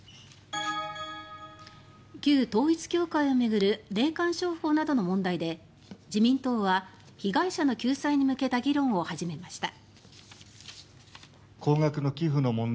旧統一教会を巡る霊感商法などの問題で自民党は被害者の救済にむけた議論を始めました。